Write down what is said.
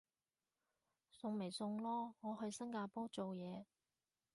送咪送咯，我去新加坡做嘢